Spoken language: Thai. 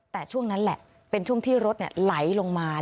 แต่ช่วงนั้นแหละเป็นช่วงที่รถไหลลงมา